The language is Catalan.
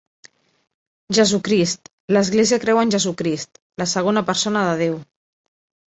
Jesucrist, l'església creu en Jesucrist, la segona persona de Déu.